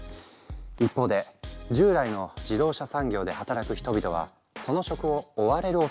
一方で従来の自動車産業で働く人々はその職を追われるおそれがある。